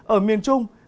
ở miền trung